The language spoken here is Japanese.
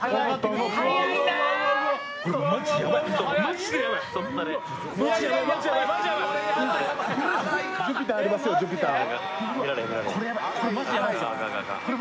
ジュピターありますよ、ジュピター。